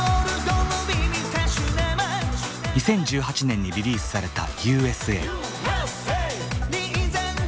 ２０１８年にリリースされた「Ｕ．Ｓ．Ａ．」。